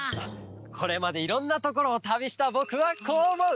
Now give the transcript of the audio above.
これまでいろんなところをたびしたぼくはこうおもう！